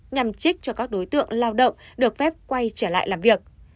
nhằm trích cho các đối tượng lao động được phép quay trở lại làm việc